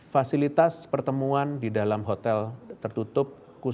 fasilitas pertemuan di dalam hotel tertutup